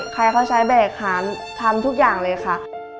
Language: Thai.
ใครเขาใช้แบกหาทำทุกอย่างเลยค่ะ